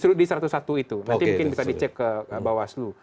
justru di satu ratus satu itu nanti mungkin bisa dicek ke bawaslu